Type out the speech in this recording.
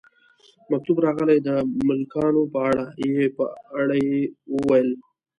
مکتوب راغلی د ملکانو په اړه، یې په اړه وویل.